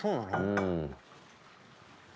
うん。